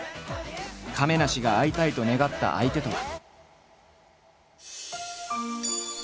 亀梨が会いたいと願った相手とは。